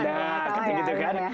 nah kayak gitu kan